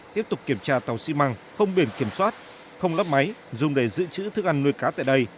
tiếp tục kiểm tra tàu xi măng không biển kiểm soát không lắp máy dùng để giữ chữ thức ăn nuôi cá tại đây